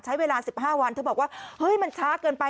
ใช้เวลา๑๕วันเธอบอกว่าเฮ้ยมันช้าเกินไป